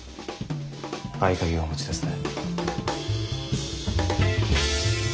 合鍵をお持ちですね？